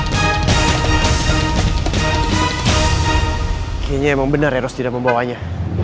kayaknya emang benar eros tidak membawanya